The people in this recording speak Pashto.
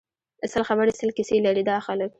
سل خبری سل کیسی لري دا خلک